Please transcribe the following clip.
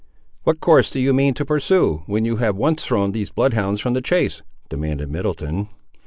"What course do you mean to pursue, when you have once thrown these bloodhounds from the chase?" demanded Middleton.